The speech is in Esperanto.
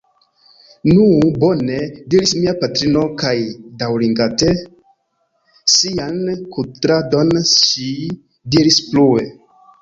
Nu, bone, diris mia patrino, kaj daŭrigante sian kudradon, ŝi diris plue: